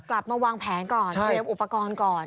วางแผนก่อนเตรียมอุปกรณ์ก่อน